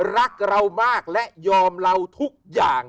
รักเรามากและยอมเราทุกอย่าง